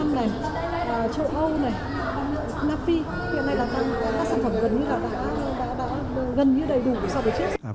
hiện nay là các sản phẩm gần như là đã gần như đầy đủ so với trước